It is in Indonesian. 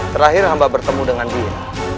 terakhir amba bertemu dengan dia